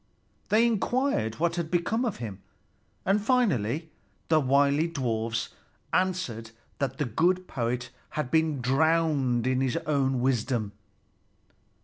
They inquired what had become of him, and finally the wily dwarfs answered that the good poet had been drowned in his own wisdom.